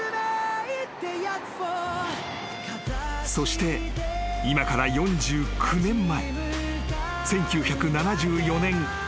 ［そして今から４９年前］